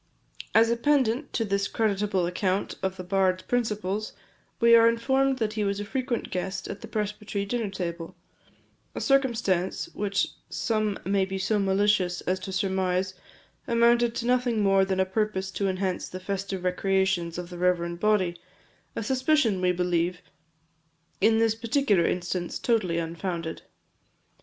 As a pendant to this creditable account of the bard's principles, we are informed that he was a frequent guest at the presbytery dinner table; a circumstance which some may be so malicious as to surmise amounted to nothing more than a purpose to enhance the festive recreations of the reverend body a suspicion, we believe, in this particular instance, totally unfounded.